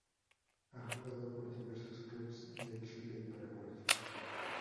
Ha jugado por diversos clubes de Chile y Paraguay.